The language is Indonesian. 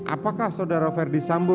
apakah saudara verdi sambu